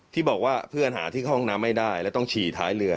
ที่บอกว่าเพื่อนหาที่เข้าห้องน้ำไม่ได้แล้วต้องฉี่ท้ายเรือ